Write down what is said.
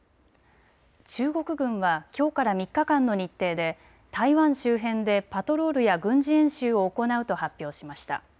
中国軍はきょうから３日間の日程で台湾周辺でパトロールや軍事演習を行うと発表しました。